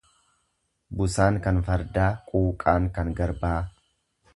Busaan kan fardaa quuqaan kan garbaa.